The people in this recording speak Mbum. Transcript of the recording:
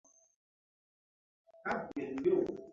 Gun wo̧ronzuk ké na ndɔk mah ye kara ku i pi.